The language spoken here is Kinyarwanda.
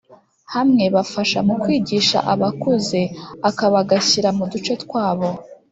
Hamwe bafasha mu kwigisha abakuze akabagashyira mu duce twabo